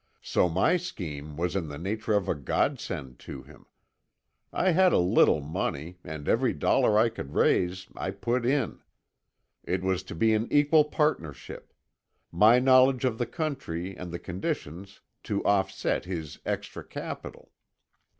So my scheme was in the nature of a Godsend to him. I had a little money, and every dollar I could raise I put in. It was to be an equal partnership: my knowledge of the country and the conditions to offset his extra capital.